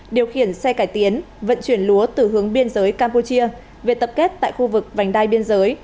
điều khiển xe cải tiến vận chuyển lúa từ hướng biên giới campuchia về tập kết tại khu vực vành đai biên giới